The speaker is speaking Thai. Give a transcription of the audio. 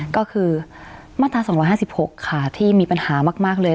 ก็คือมาตรา๒๕๖ค่ะที่มีปัญหามากเลย